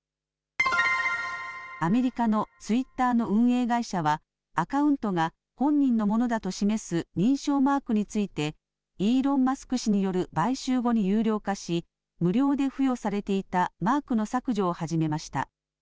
アメリカのツイッターの運営会社はアカウントが本人のものだと示す認証マークについてイーロン・マスク氏による買収後に有料化し無料で付与されていたマークの削除を始めました。